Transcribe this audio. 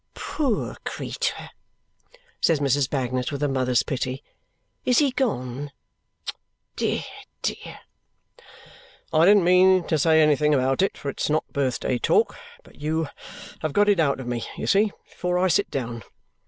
"Poor creetur!" says Mrs. Bagnet with a mother's pity. "Is he gone? Dear, dear!" "I didn't mean to say anything about it, for it's not birthday talk, but you have got it out of me, you see, before I sit down.